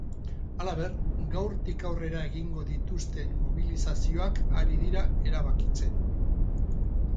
Halaber, gaurtik aurrera egingo dituzten mobilizazioak ari dira erabakitzen.